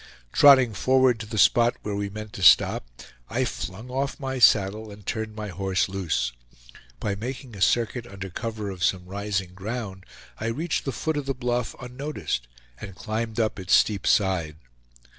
Trotting forward to the spot where we meant to stop, I flung off my saddle and turned my horse loose. By making a circuit under cover of some rising ground, I reached the foot of the bluff unnoticed, and climbed up its steep side.